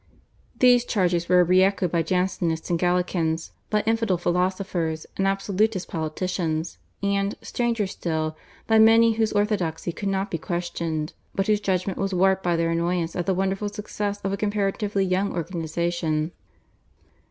These charges were re echoed by Jansenists and Gallicans, by infidel philosophers and absolutist politicians, and, stranger still, by many whose orthodoxy could not be questioned, but whose judgment was warped by their annoyance at the wonderful success of a comparatively young organisation.